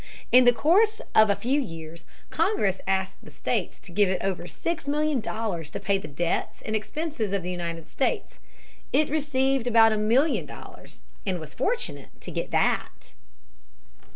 In the course of a few years Congress asked the states to give it over six million dollars to pay the debts and expenses of the United States. It received about a million dollars and was fortunate to get that.